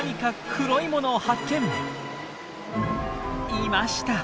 いました！